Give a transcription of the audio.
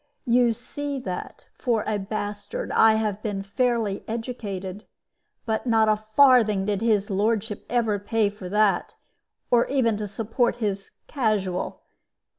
"You see that for a bastard I have been fairly educated; but not a farthing did his lordship ever pay for that, or even to support his casual.